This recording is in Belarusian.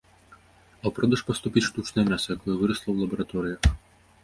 А ў продаж паступіць штучнае мяса, якое вырасла ў лабараторыях.